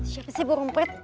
siapa sih burung perit